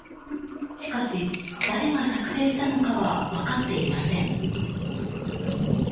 しかし、誰が作成したのかは分かっていません。